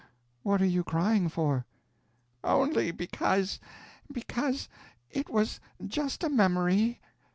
What are you crying for?" "Only because because it was just a memory.